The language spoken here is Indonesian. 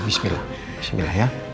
bismillah bismillah ya